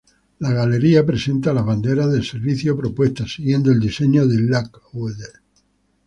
La galería presenta las banderas de servicio propuestas siguiendo el diseño de Lockwood.